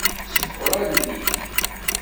Ṣekkeṛ allen-ik.